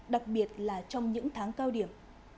đặc biệt là trong những tháng cao điểm